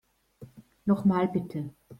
Noch mal, bitte.